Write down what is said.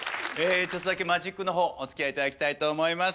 ちょっとだけマジックの方おつきあいいただきたいと思います。